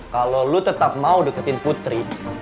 kalau lo tetap mau deketin putri